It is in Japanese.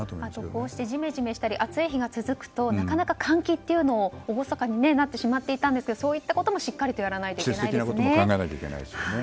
こうしてジメジメしたり暑い日が続くとなかなか換気がおろそかになってしまっていたんですがそういったこともしっかりやらないといけないですね。